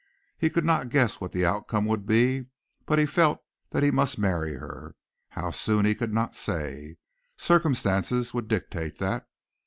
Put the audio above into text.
He could not guess what the outcome would be, but he felt that he must marry her how soon he could not say. Circumstances would dictate that.